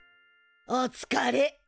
おつかれ。